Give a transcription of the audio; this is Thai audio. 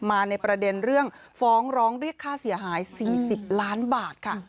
ในประเด็นเรื่องฟ้องร้องเรียกค่าเสียหาย๔๐ล้านบาทค่ะ